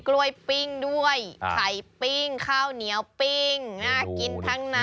กล้วยปิ้งด้วยไข่ปิ้งข้าวเหนียวปิ้งน่ากินทั้งนั้น